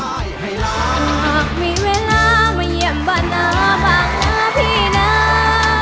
หากมีเวลามาเยี่ยมบ้านนาบ้างนะพี่นะ